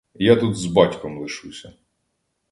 Я тут з батьком лишуся.